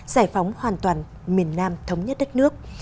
giải phóng hoàn toàn miền nam thống nhất đất nước